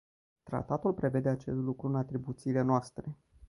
Tratatul prevede acest lucru în atribuțiile noastre.